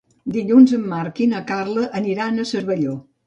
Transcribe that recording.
Dilluns en Marc i na Carla aniran a Cervelló.